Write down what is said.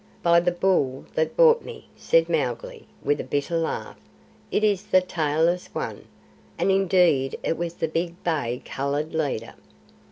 "By the Bull that bought me," said Mowgli, with a bitter laugh, "it is the tailless one!" And indeed it was the big bay coloured leader.